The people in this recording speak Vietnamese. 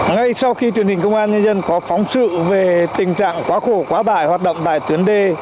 ngay sau khi truyền hình công an nhân dân có phóng sự về tình trạng quá khổ quá bại hoạt động tại tuyến đê